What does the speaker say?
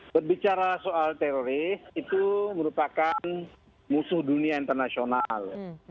berbicara soal teroris itu merupakan musuh dunia internasional